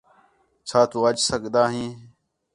چَھا تُو اَچ سڳدا ہیں؟